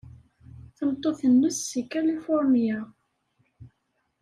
Tameṭṭut-nnes seg Kalifuṛnya.